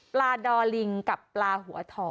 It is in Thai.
ดอลิงกับปลาหัวทอ